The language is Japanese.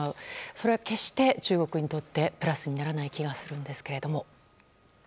それは決して中国にとってプラスにならない気がするんですけれども。